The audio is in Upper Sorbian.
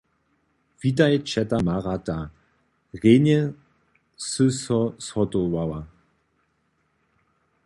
Witaj ćeta Marata, rjenje sy so zhotowała.